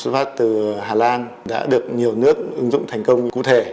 xuất phát từ hà lan đã được nhiều nước ứng dụng thành công cụ thể